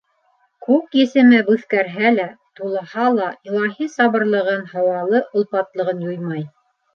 Күк есеме бүҫкәрһә лә, тулһа ла илаһи сабырлығын, һауалы олпатлылығын юймай.